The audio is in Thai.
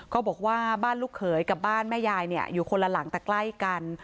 ก็บอกว่าบ้านลูกเขยกับบ้านแม่ยายอยู่คนละหลังแต่ใกล้กัน